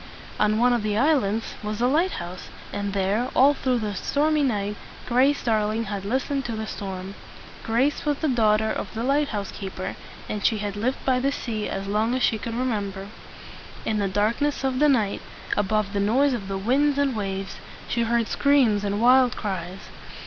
On one of the islands was a light house; and there, all through that stormy night, Grace Darling had listened to the storm. Grace was the daughter of the light house keeper, and she had lived by the sea as long as she could re mem ber. In the darkness of the night, above the noise of the winds and waves, she heard screams and wild cries.